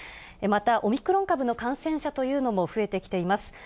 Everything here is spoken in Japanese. またオミクロン株の感染者というのも増えてきています。